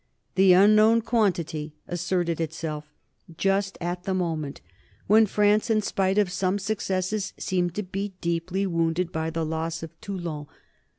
The unknown quantity asserted itself just at the moment when France, in spite of some successes, seemed to be deeply wounded by the loss of Toulon.